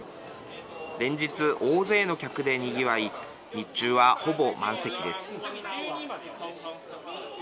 連日、大勢の客でにぎわい日中は、ほぼ満席です。